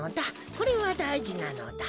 これはだいじなのだ。